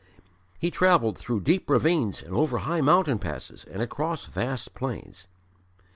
He travelled through deep ravines and over high mountain passes and across vast plains.